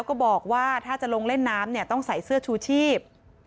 ก็บอกว่าถ้าจะลงเล่นน้ำเนี่ยต้องใส่เสื้อชูชีพ